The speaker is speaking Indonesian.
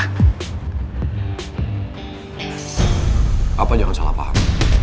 papa jangan salah paham